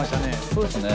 そうですね